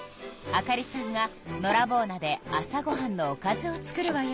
あかりさんがのらぼう菜で朝ごはんのおかずを作るわよ。